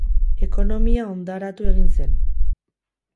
Ekonomia hondaratu egin zen.